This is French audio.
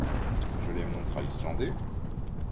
Je les montre à l’Islandais.